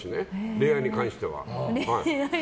恋愛に関しては。